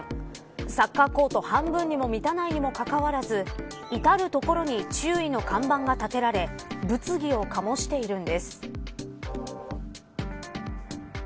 サッカーコート半分にも満たないにもかかわらず至る所に注意の看板が立てられ物議を醸しているんです。